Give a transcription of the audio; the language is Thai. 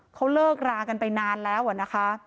เขาเลิกรากันไปนานแล้วนะคะ